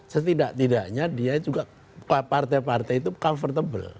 setidak tidaknya dia juga partai partai itu comfortable